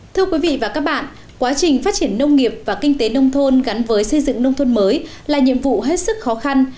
thưa quý vị và các bạn quá trình phát triển nông nghiệp và kinh tế nông thôn gắn với xây dựng nông thôn mới là nhiệm vụ hết sức khó khăn